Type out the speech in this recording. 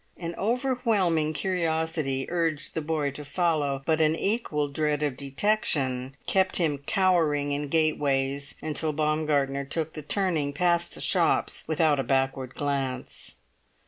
An overwhelming curiosity urged the boy to follow, but an equal dread of detection kept him cowering in gateways, until Baumgartner took the turning past the shops without a backward glance.